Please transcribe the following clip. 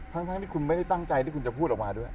ทั้งที่คุณไม่ได้ตั้งใจที่คุณจะพูดออกมาด้วย